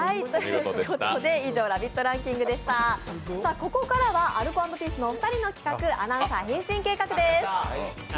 ここからはアルコ＆ピースのお二人の企画、「アナウンサー変身計画」です。